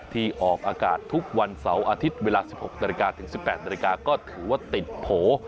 ที่ออกอากาศทุกวันเสาร์อาทิตย์เวลา๑๖นาฬิกาถึง๑๘นาฬิกาก็ถือว่าติดโผล่